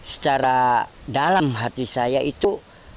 secara dalam hati saya itu